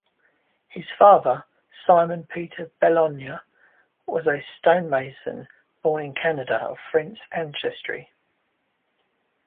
His father, Simon Peter Belonger, was a stonemason born in Canada of French ancestry.